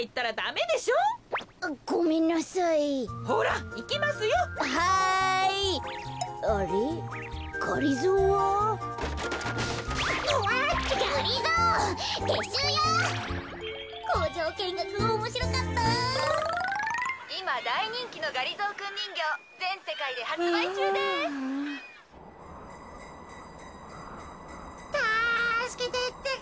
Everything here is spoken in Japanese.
たすけてってか。